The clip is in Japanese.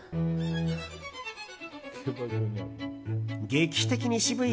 劇的に渋い